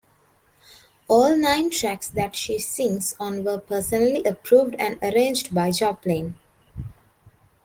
All nine tracks that she sings on were personally approved and arranged by Joplin.